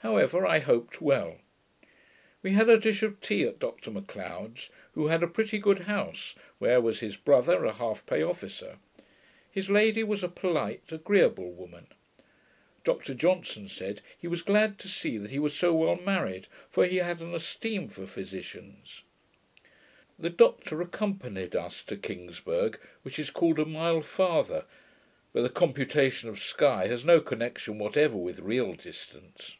However I hoped well. We had a dish of tea at Dr Macleod's, who had a pretty good house, where was his brother, a half pay officer. His lady was a polite, agreeable woman. Dr Johnson said, he was glad to see that he was so well married, for he had an esteem for physicians. The doctor accompanied us to Kingsburgh, which is called a mile farther; but the computation of Sky has no connection whatever with real distance.